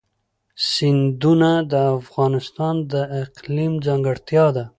سیندونه د افغانستان د اقلیم ځانګړتیا ده.